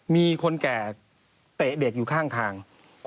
มีคนแก่เตะเด็กอยู่ข้างทาง